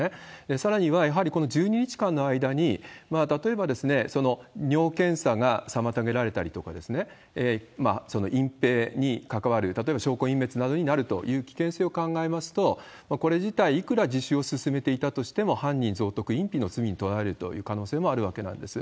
さらには、やはりこの１２日間の間に、例えば、尿検査が妨げられたりとか、隠蔽に関わる、例えば証拠隠滅などになるという可能性を考えますと、これ自体、いくら自首を勧めていたとしても、犯人蔵匿、隠避の罪に問われるという可能性もあるわけなんです。